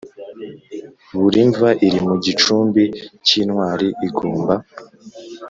Buri mva iri mu gicumbi cy Intwari igomba